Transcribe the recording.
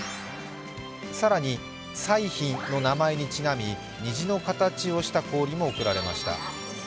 更に、彩浜の名前にちなみ、虹の形をした氷も贈られました。